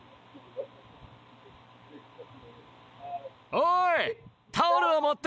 おい！